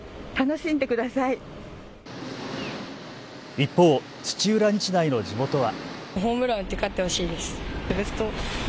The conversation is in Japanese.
一方、土浦日大の地元は。